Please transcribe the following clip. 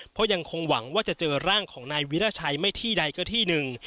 เพราะยังคงหวังว่าจะเจอร่างของนายวิราชัยไม่ที่ใดก็ที่หนึ่ง